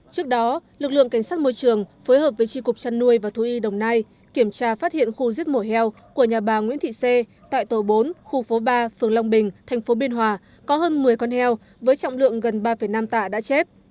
trước đó lực lượng cảnh sát môi trường phối hợp với tri cục chăn nuôi và thú y đồng nai kiểm tra phát hiện khu giết mổ heo của nhà bà nguyễn thị xê tại tổ bốn khu phố ba phường long bình thành phố biên hòa có hơn một mươi con heo với trọng lượng gần ba năm tạ đã chết